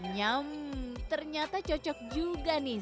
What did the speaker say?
nyam ternyata cocok juga nih